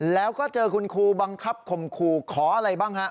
แล้วก็เจอคุณครูบังคับข่มขู่ขออะไรบ้างฮะ